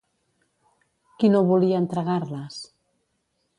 Qui no volia entregar-les?